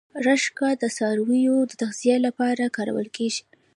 رشقه د څارویو د تغذیې لپاره کرل کیږي